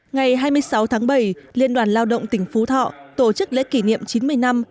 ngày hai mươi sáu tháng bảy liên đoàn lao động tỉnh phú thọ tổ chức lễ kỷ niệm chín mươi năm